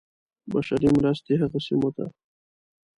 بشري مرستې هغو سیمو ته.